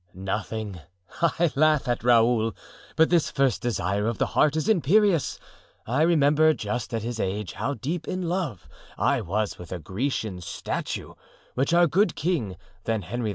"Nothing—I laugh at Raoul; but this first desire of the heart is imperious. I remember, just at his age, how deep in love I was with a Grecian statue which our good king, then Henry IV.